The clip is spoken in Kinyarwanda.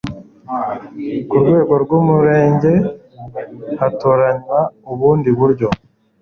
ku rwego rw umurenge hatoranywa ubundi buryo